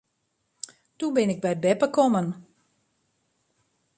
Doe bin ik by beppe kommen.